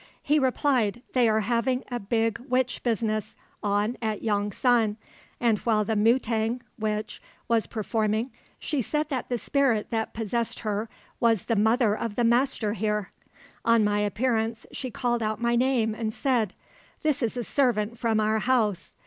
He replied, "They are having a big witch business on at Yong san, and while the mutang (witch) was performing, she said that the spirit that possessed her was the mother of the master here. On my appearance she called out my name and said, 'This is a servant from our house.'